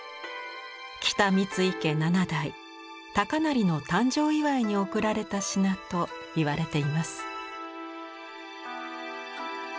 北三井家７代高就の誕生祝いに贈られた品といわれています。